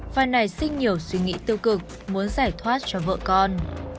và nảy sinh nhiều suy nghĩ tiêu cực muốn giải thoát cho vợ con